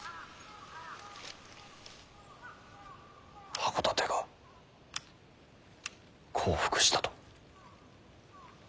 箱館が降伏したと。